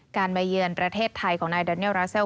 มาเยือนประเทศไทยของนายแดเนียลราเซล